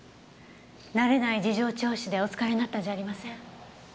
慣れない事情聴取でお疲れになったんじゃありません？